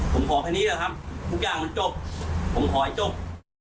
ผมขอแค่นี้แหละครับทุกอย่างมันจบผมขอให้จบ